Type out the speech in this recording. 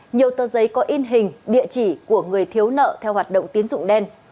nhiều tờ giấy có in hình địa chỉ của người thiếu nợ theo hoạt động tín dụng đen